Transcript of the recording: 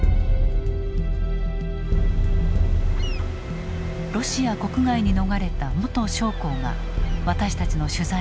ロシア国外に逃れた元将校が私たちの取材に応じた。